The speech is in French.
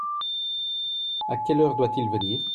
A quelle heure doit-il venir ?